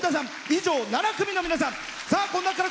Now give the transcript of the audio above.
以上、７組の皆さん。